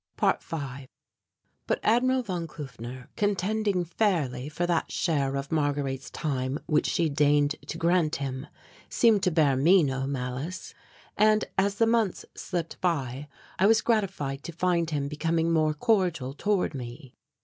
~5~ But Admiral von Kufner, contending fairly for that share of Marguerite's time which she deigned to grant him, seemed to bear me no malice; and, as the months slipped by, I was gratified to find him becoming more cordial toward me.